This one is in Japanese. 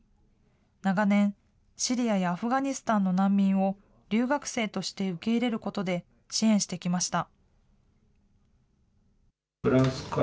長年、シリアやアフガニスタンの難民を留学生として受け入れることで支援してきました。